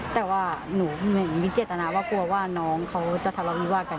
แต่ว่าหนูมีเจตนาว่ากลัวว่าน้องเขาจะทะเลาวิวาสกัน